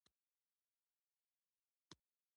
ځکه هغوی ستا په خبرو بدلیږي دا حقیقت دی.